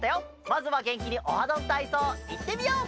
まずはげんきに「オハどんたいそう」いってみよう！